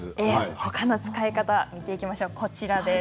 ほかの使い方を見ていきます。